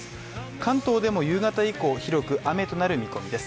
関東でも夕方以降広く雨となる見込みです。